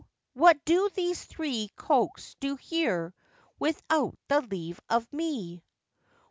what do these three cloaks do here, without the leave of me?